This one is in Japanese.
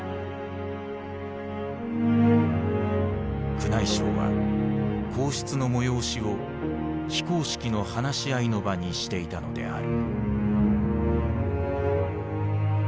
宮内省は皇室の催しを非公式の話し合いの場にしていたのである。